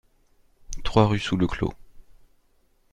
trois rue Sous Le Clos